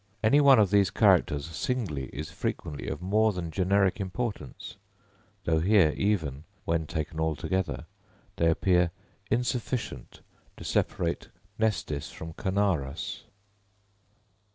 Any one of these characters singly is frequently of more than generic importance, though here even, when all taken together, they appear insufficient to separate Cnestis from Connarus."